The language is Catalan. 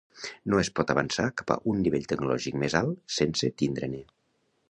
No es pot avançar cap a un nivell tecnològic més alt sense tindre-ne.